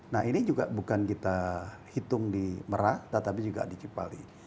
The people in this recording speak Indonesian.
nah ini juga bukan kita hitung di merak tetapi juga di cipali